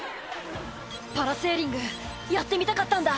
「パラセーリングやってみたかったんだ」